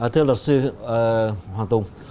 thưa luật sư hoàng tùng